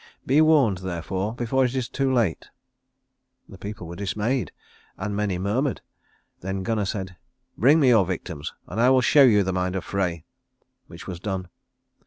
Be warned therefore, before it is too late." The people were dismayed, and many murmured. Then Gunnar said, "Bring me your victims, and I will show you the mind of Frey"; which was done.